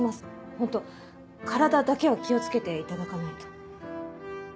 ホント体だけは気を付けていただかないと。